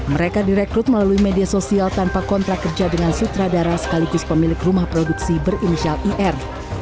mereka direkrut melalui media sosial tanpa kontrak kerja dengan sutradara sekaligus pemilik rumah produksi berinisial ir